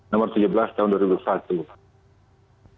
nomor tujuh belas tahun dua ribu satu